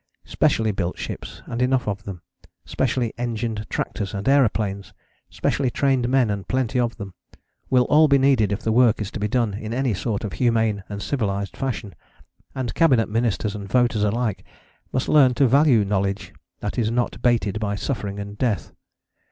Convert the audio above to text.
Specially built ships, and enough of them; specially engined tractors and aeroplanes; specially trained men and plenty of them, will all be needed if the work is to be done in any sort of humane and civilized fashion; and Cabinet ministers and voters alike must learn to value knowledge that is not baited by suffering and death.